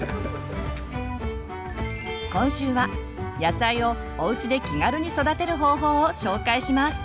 今週は野菜をおうちで気軽に育てる方法を紹介します。